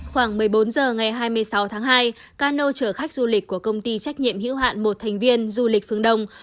khoảng một mươi bốn h ngày hai mươi sáu tháng hai cano chở khách du lịch của công ty trách nhiệm hữu hạn một thành viên du lịch phương đông